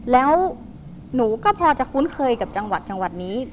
แล้วหนูก็พอจะคุ้นเคยกับจังหวัดจังหวัดนี้